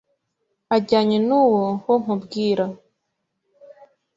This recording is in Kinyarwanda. ajyanye n'uwo wo nkubwira